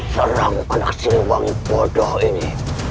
serang anak seriwangi bodoh ini